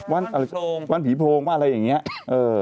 ว่านผีโพรงว่านผีโพรงว่าอะไรอย่างนี้เออ